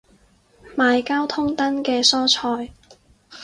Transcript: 買交通燈嘅蔬菜